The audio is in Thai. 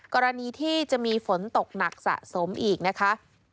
กรณีที่จะมีฝนตกหนักสะสมอีกนะคะ